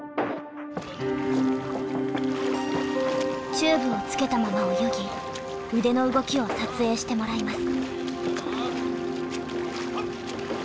チューブをつけたまま泳ぎ腕の動きを撮影してもらいます。